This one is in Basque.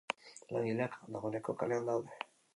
Langileak dagoeneko kalean daude.